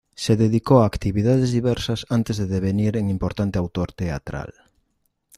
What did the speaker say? Se dedicó a actividades diversas antes de devenir en importante autor teatral.